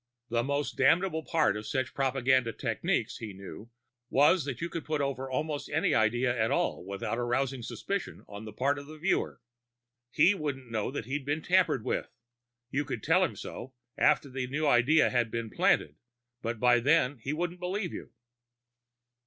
The most damnable part of such propaganda techniques, he knew, was that you could put over almost any idea at all without arousing suspicion on the part of the viewer. He wouldn't know he'd been tampered with; you could tell him so, after the new idea had been planted, and by then he wouldn't believe you.